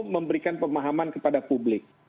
memberikan pemahaman kepada publik